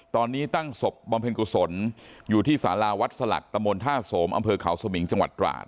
ตอนนี้ตั้งศพบำเพ็ญกุศลอยู่ที่สาราวัดสลักตะมนต์ท่าโสมอำเภอเขาสมิงจังหวัดตราด